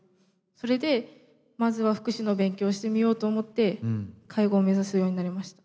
それでまずは福祉の勉強をしてみようと思って介護を目指すようになりました。